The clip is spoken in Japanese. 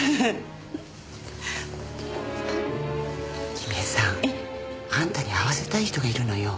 君江さんあんたに会わせたい人がいるのよ。